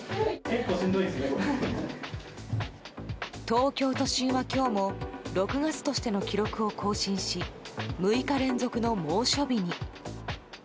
東京都心は今日も６月としての記録を更新し６日連続の猛暑日に。